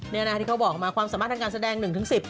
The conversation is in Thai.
นี่นะที่เขาบอกมาความสามารถทางการแสดง๑๑๐